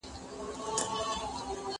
هغه وويل چي قلمان پاکول ضروري دي!!